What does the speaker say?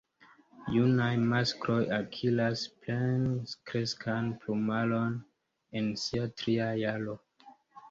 Junaj maskloj akiras plenkreskan plumaron en sia tria jaro.